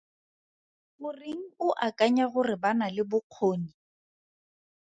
Goreng o akanya gore ba na le bokgoni?